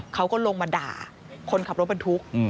เขาก็ลงมาด่าคนขับรถบรรทุก